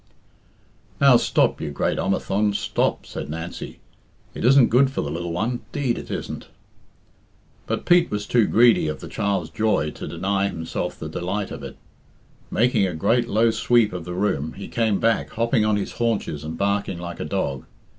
"Now, stop, you great omathaun, stop," said Nancy. "It isn't good for the lil one 'deed it isn't." But Pete was too greedy of the child's joy to deny himself the delight of it. Making a great low sweep of the room, he came back hopping on his haunches and barking like a dog.